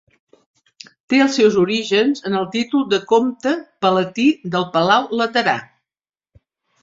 Té els seus orígens en el títol de comte palatí del Palau Laterà.